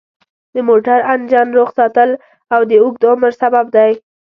د موټر انجن روغ ساتل د اوږد عمر سبب دی.